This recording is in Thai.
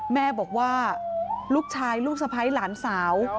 แม่บอกว่าลูกชายลูกสะพ้ายหลานสาว